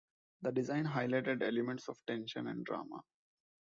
The design highlighted elements of tension and drama.